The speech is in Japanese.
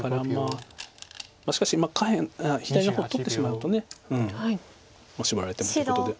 しかし左の方取ってしまうとシボられてもということで。